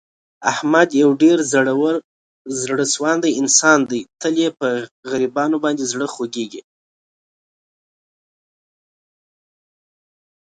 احمد یو ډېر زړه سواندی انسان دی. تل یې په غریبانو باندې زړه خوګېږي.